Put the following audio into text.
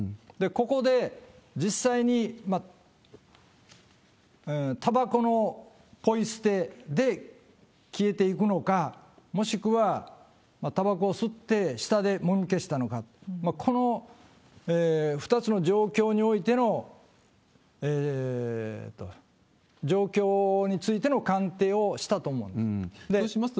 ここで実際にたばこのぽい捨てで消えていくのか、もしくはたばこを吸って、下でもみ消したのか、この２つの状況についての鑑定をしたと思われます。